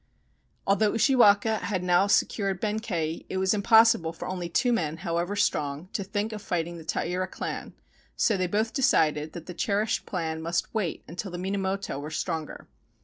Although Ushiwaka had now secured Benkei, it was impossible for only two men, however strong, to think of fighting the Taira clan, so they both decided that the cherished plan must wait till the Minamoto were stronger.